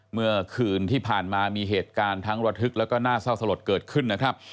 เมื่อคืนที่ผ่านมามีเหตุการณ์ทั้งระทึกแล้วก็น่าเศร้าสลดเกิดขึ้นนะครับ